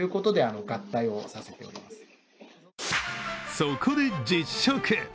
そこで実食。